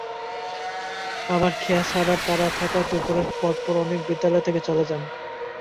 আবার খেয়া ছাড়ার তাড়া থাকায় দুপুরের পরপর অনেকে বিদ্যালয় থেকে চলে যান।